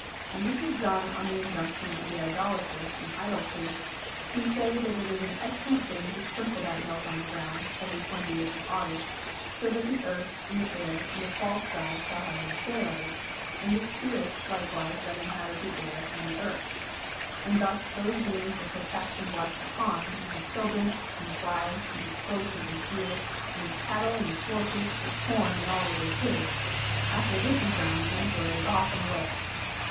And this is done on the injunction of the Idolaters and Idol priests, who say that it is an excellent thing to sprinkle that milk on the ground every 28th of August, so that the Earth and the Air Chap. LXI. THE KAAN'S PALACE AT CliANDU 3OI and the False Gods shall have their share of it, and the Spirits likewise that inhabit the Air and the Earth. And thus those beings will protect and bless the Kaan and his children and his wives and his folk and his gear, and his cattle and his horses, his corn and all that is his. After this is done, the Emperor is off and away.''